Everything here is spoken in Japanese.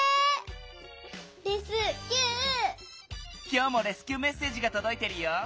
きょうもレスキューメッセージがとどいてるよ。